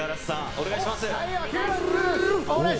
お願いします。